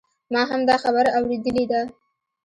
ما هم دا خبره اوریدلې ده